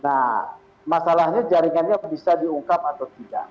nah masalahnya jaringannya bisa diungkap atau tidak